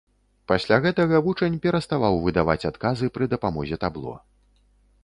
Пасля гэтага вучань пераставаў выдаваць адказы пры дапамозе табло.